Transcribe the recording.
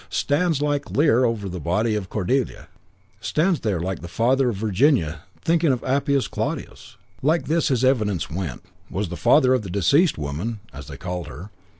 Stands there like Lear over the body of Cordelia. Stands there like the father of Virginia thinking of Appius Claudius. "Like this, his evidence went: Was father of the deceased woman (as they called her).